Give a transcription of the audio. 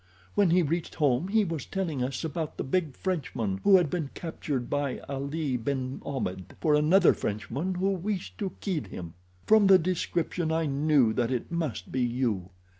When he reached home he was telling us about the big Frenchman who had been captured by Ali ben Ahmed for another Frenchman who wished to kill him. From the description I knew that it must be you.